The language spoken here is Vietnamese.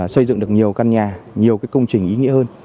xây dựng được nhiều căn nhà nhiều công trình ý nghĩa hơn